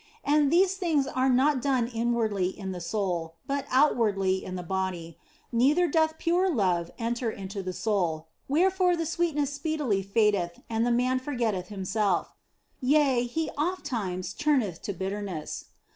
And these things are not done inwardly in the soul but outwardly in the body, neither doth pure love enter into the soul, wherefore the sweetness speedily fadeth and the man forgetteth himself ; yea, he ofttimes turneth to bitterness.